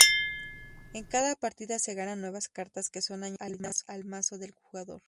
En cada partida se ganan nuevas cartas que son añadidas al mazo del jugador.